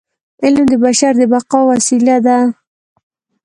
علم د بشر د بقاء وسیله ده.